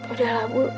udah lah bu